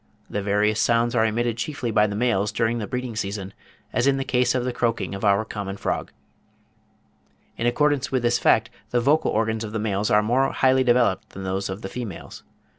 The various sounds are emitted chiefly by the males during the breeding season, as in the case of the croaking of our common frog. (48. Bell, 'History British Reptiles,' 1849, p. 93.) In accordance with this fact the vocal organs of the males are more highly developed than those of the females.